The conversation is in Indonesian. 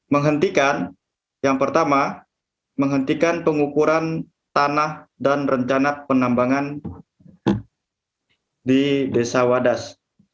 menghentikan yang pertama menghentikan pengukuran tanah dan rencana penambangan di desa wadas